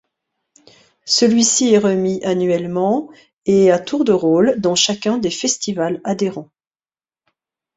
Celui-ci est remis annuellement, et à tour de rôle dans chacun des festivals adhérents.